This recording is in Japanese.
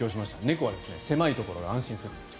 猫は狭いところが安心するんです。